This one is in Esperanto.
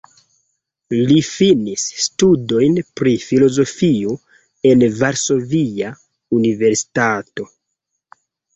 Li finis studojn pri filozofio en Varsovia Universitato.